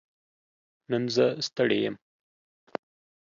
نن زه ستړې يم